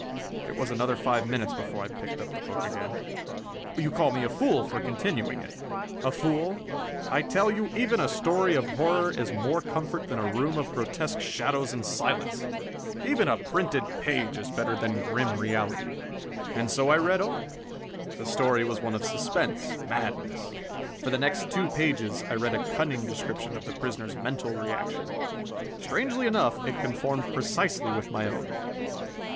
It was another five minutes before I picked up the book again. You call me a fool for continuing it? A fool? I tell you, even a story of horror is more comfort than a room of grotesque shadows and silence. Even a printed page is better than grim reality! And so I read on. The story was one of suspense, madness. For the next two pages I read a cunning description of the prisoner's mental reaction. Strangely enough, it conformed precisely with my own.